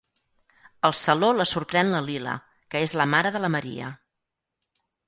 Al saló la sorprèn la Lila, que és la mare de la Maria.